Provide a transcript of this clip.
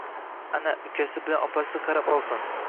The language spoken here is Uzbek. Ana ukasi bilan opasi qarab olsin